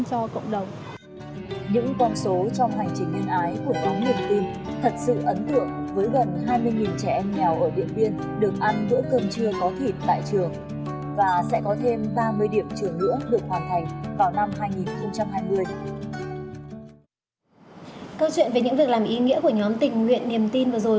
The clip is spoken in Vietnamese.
câu chuyện về những việc làm ý nghĩa của nhóm tình nguyện niềm tin vừa rồi